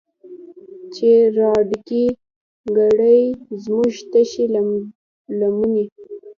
چې راډکې کړي زمونږ تشې لمنې